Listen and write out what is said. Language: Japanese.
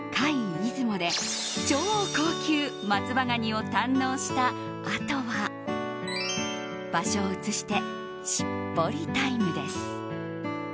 出雲で超高級松葉ガニを堪能したあとは場所を移してしっぽりタイムです。